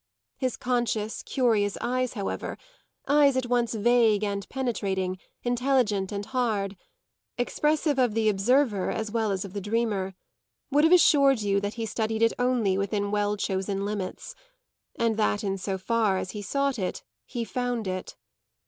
His conscious, curious eyes, however, eyes at once vague and penetrating, intelligent and hard, expressive of the observer as well as of the dreamer, would have assured you that he studied it only within well chosen limits, and that in so far as he sought it he found it.